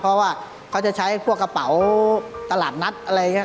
เพราะว่าเขาจะใช้พวกกระเป๋าตลาดนัดอะไรอย่างนี้